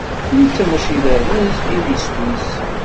Netta mačči d arraz i d iswi-s.